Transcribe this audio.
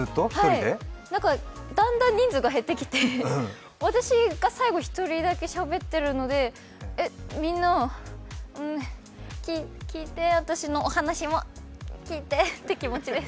なんか、だんだん人数が減ってきて、私が最後１人だけしゃべってるのでえ、みんな聞いて、私のお話も、聞いてって気持ちです。